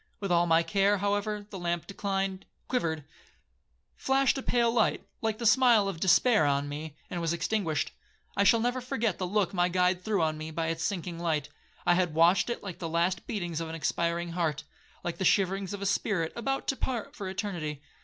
With all my care, however, the lamp declined,—quivered,—flashed a pale light, like the smile of despair on me, and was extinguished. I shall never forget the look my guide threw on me by its sinking light. I had watched it like the last beatings of an expiring heart, like the shiverings of a spirit about to part for eternity.